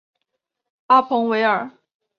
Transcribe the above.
阿彭维尔。